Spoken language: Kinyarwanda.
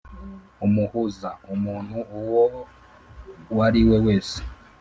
umuhuza: umuntu uwow ari we wese